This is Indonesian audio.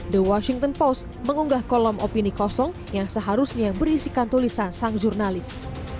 the washington post mengunggah kolom opini kosong yang seharusnya berisikan tulisan sang jurnalis